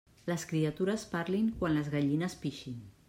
Les criatures parlin quan les gallines pixin.